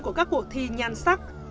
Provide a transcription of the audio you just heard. của các cuộc thi nhan sắc